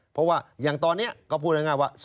เพราะว่าอย่างตอนนี้ก็พูดง่ายว่า